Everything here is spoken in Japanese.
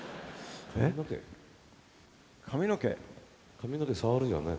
髪の毛触るじゃんねえ